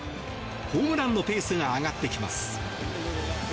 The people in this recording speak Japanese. ホームランのペースが上がってきます。